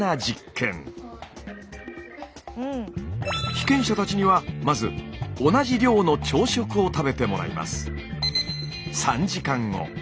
被験者たちにはまず同じ量の朝食を食べてもらいます。